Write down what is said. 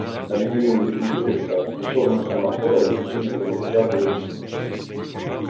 На відміну від м'ютекса, стосовно семафора відсутнє поняття володіння.